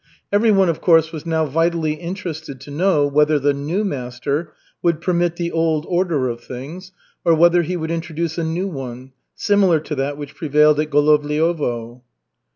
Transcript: Everyone, of course, was now vitally interested to know whether the new master would permit the old order of things, or whether he would introduce a new one, similar to that which prevailed at Golovliovo.